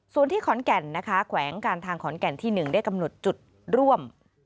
ส่วนที่ขอนแก่นนะคะแขวงการทางขอนแก่นที่๑ได้กำหนดจุดร่วม